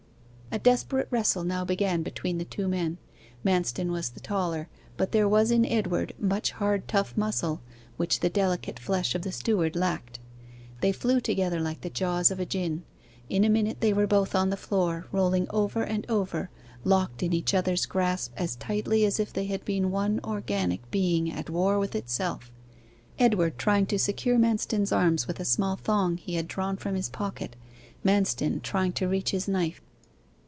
A desperate wrestle now began between the two men. Manston was the taller, but there was in Edward much hard tough muscle which the delicate flesh of the steward lacked. They flew together like the jaws of a gin. In a minute they were both on the floor, rolling over and over, locked in each other's grasp as tightly as if they had been one organic being at war with itself Edward trying to secure Manston's arms with a small thong he had drawn from his pocket, Manston trying to reach his knife.